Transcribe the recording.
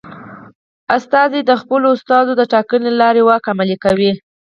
استازي د خپلو استازو د ټاکنې له لارې واک عملي کوي.